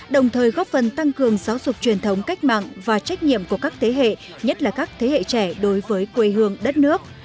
đồng thời góp phần tăng cường giáo dục truyền thống cách mạng và trách nhiệm của các thế hệ nhất là các thế hệ trẻ đối với quê hương đất nước